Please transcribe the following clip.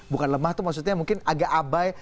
bukan lemah tuh maksudnya mungkin agak abai